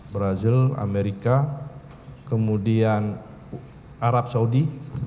brazil amerika kemudian arab saudi